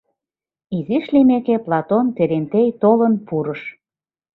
Изиш лиймеке, Платон Терентей толын пурыш.